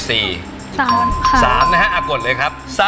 ๓ค่ะ๓นะครับอับกดเลยครับ